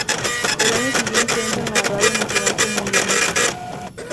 El año siguiente entra en Radio Nacional como guionista.